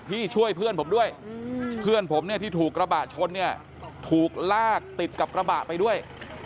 ช่วยเพื่อนผมด้วยเพื่อนผมเนี่ยที่ถูกกระบะชนเนี่ยถูกลากติดกับกระบะไปด้วย